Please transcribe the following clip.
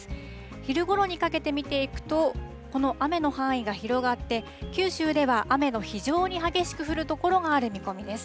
昼ごろにかけて見ていくと、この雨の範囲が広がって、九州では雨の非常に激しく降る所がある見込みです。